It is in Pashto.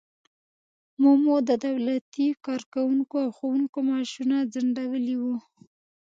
مومو د دولتي کارکوونکو او ښوونکو معاشونه ځنډولي وو.